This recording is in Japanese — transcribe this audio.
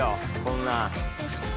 こんな。